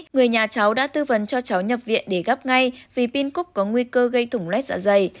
người nhà cháu đã tư vấn cho cháu nhập viện để gấp ngay vì pin cúc có nguy cơ gây thủng lét dạ dày